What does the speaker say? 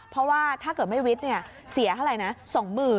เพราะว่าถ้าเกิดไม่วิทย์เสียเท่าไหร่นะ